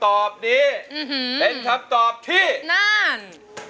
ร้องได้ให้ร้าน